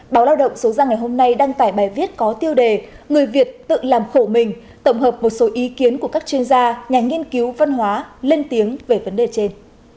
báo lao động số ra ngày hôm nay đăng tải bài viết có tiêu đề người việt tự làm khổ mình tổng hợp một số ý kiến của các chuyên gia nhà nghiên cứu văn hóa lên tiếng về vấn đề trên